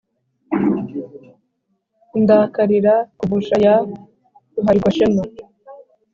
indakalira kuvusha ya ruhalirwashema